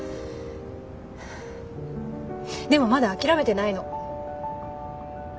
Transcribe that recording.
でもまだ諦めてないの。